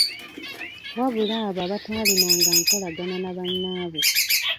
Wabula abo abataalinanga nkolagana na bannaabwe.